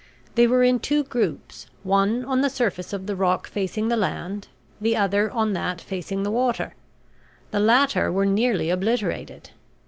They were in two groups, one on the surface of the rock facing the land, the other on that facing the water. The latter were nearly obliterated.